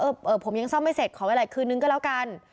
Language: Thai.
เออผมยังซ่อมไม่เสร็จขอเวลาคืนนึงก็แล้วกัน